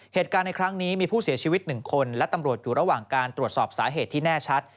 เหตุการณ์ในครั้งนี้มีผู้เสียชีวิต๑คนและตำรวจอยู่ระหว่างการตรวจสอบสาเหตุที่แน่ชัด